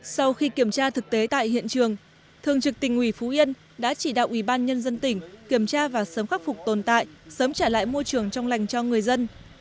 sau khi kiểm tra thực tế tại hiện trường thường trực tỉnh ủy phú yên đã chỉ đạo ủy ban nhân dân tỉnh kiểm tra và sớm khắc phục tồn tại sớm trả lại môi trường trong lành cho người dân